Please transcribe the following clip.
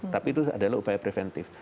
tapi itu adalah upaya preventif